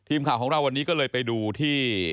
ทีมข่าวของเราวันนี้ก็เลยไปดูที่